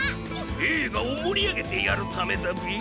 えいがをもりあげてやるためだビ。